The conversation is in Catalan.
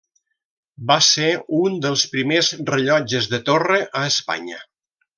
Va ser un dels primers rellotges de torre a Espanya.